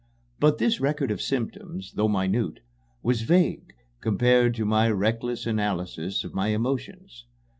But this record of symptoms, though minute, was vague compared to my reckless analysis of my emotions.